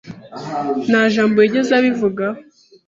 Nta jambo yigeze abivugaho.